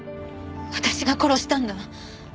私が殺したんだ。